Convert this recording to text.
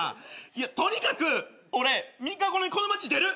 とにかく俺三日後にこの町出る。